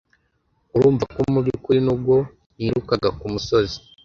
urumva ko mu byukuri nubwo ntirukaga ku musozi